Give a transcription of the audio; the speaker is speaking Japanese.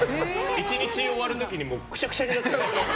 １日終わる時にくしゃくしゃになって。